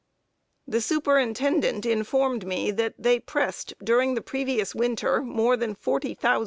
The superintendent informed me that they pressed, during the previous winter, more than forty thousand bales.